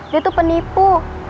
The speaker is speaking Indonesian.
dia tuh penipu